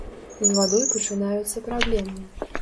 З вадой пачынаюцца праблемы.